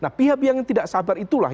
nah pihak pihak yang tidak sabar itulah